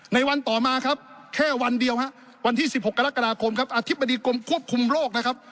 ในวันต่อมาครับแค่วันเดียววันที่๑๖กรกฎาคมอธิบดีควบคุมโรค